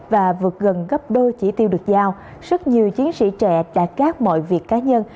và vượt gần gấp đôi chỉ tiêu được giao rất nhiều chiến sĩ trẻ trả các mọi việc cá nhân